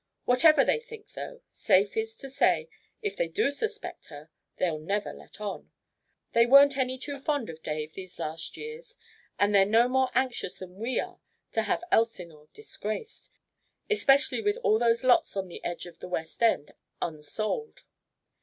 Whatever they think, though, that is to say, if they do suspect her, they'll never let on. They weren't any too fond of Dave these last years, and they're no more anxious than we are to have Elsinore disgraced especially with all those lots on the edge of the West End unsold.